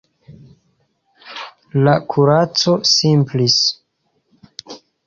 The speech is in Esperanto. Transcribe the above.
La kuraco simplis.